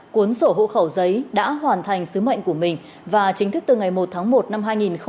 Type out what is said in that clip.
cuốn sổ hộ khẩu giấy đã hoàn thành sứ mệnh của mình và chính thức từ ngày một tháng một năm hai nghìn hai mươi